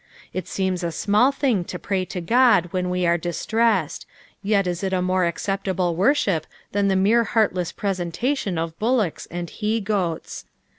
It seems a small thing to pray to Ood when we are distressed, yet is it a more acceptable worship than the mere heartless presentation of bullocks and he goats.